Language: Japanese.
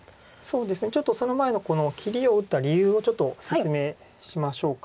ちょっとその前の切りを打った理由をちょっと説明しましょうか。